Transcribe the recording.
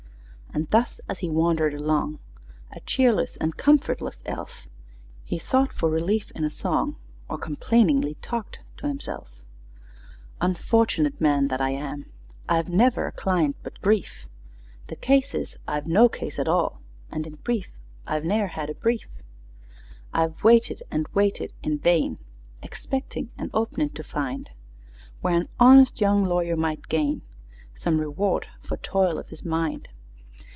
And thus as he wandered along, A cheerless and comfortless elf, He sought for relief in a song, Or complainingly talked to himself: "Unfortunate man that I am! I've never a client but grief: The case is, I've no case at all, And in brief, I've ne'er had a brief! "I've waited and waited in vain, Expecting an 'opening' to find, Where an honest young lawyer might gain Some reward for toil of his mind.